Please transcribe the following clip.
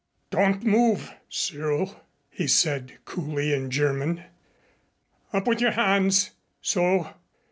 "Don't move, Cyril," he said coolly in German. "Up with your hands! So.